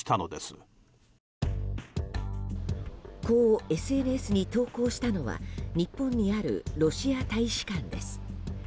こうＳＮＳに投稿したのは日本にあるロシア大使館です。